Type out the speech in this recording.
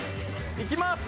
いきます！